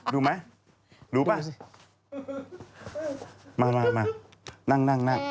รู้ไหมรู้ป่ะมานั่งนั่ง